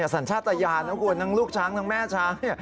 สัญชาตญานน้องครัวนังลูกช้างนังแม่ช้าง